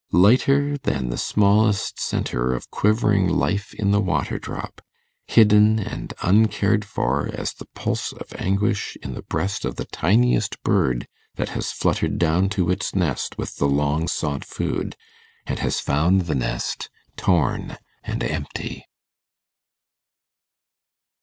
Lighter than the smallest centre of quivering life in the waterdrop, hidden and uncared for as the pulse of anguish in the breast of the tiniest bird that has fluttered down to its nest with the long sought food, and has found the nest torn and empty.